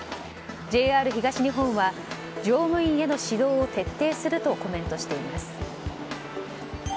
ＪＲ東日本は乗務員への指導を徹底するとコメントしています。